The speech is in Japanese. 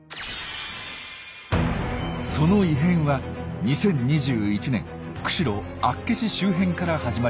その異変は２０２１年釧路・厚岸周辺から始まりました。